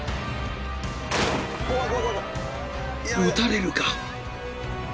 ［撃たれるか！？］